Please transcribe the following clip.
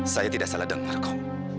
saya tidak salah dengar kok